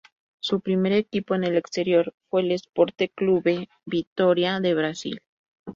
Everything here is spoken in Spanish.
Su primer equipo en el exterior fue el Esporte Clube Vitória de Brasil.